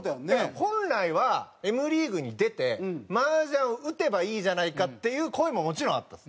本来はＭリーグに出て麻雀を打てばいいじゃないかっていう声ももちろんあったんです。